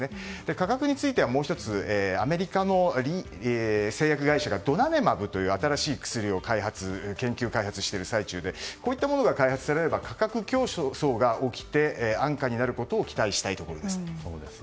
価格についてはもう１つアメリカの製薬会社がドナネマブという新しい薬を研究・開発している最中でこういったものが開発されれば価格競争が起きて安価になることを期待したいところです。